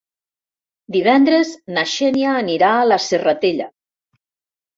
Divendres na Xènia anirà a la Serratella.